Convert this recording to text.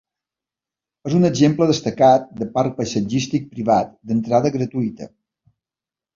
És un exemple destacat de parc paisatgístic privat d'entrada gratuïta.